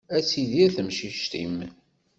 Ad tidir temcict-im.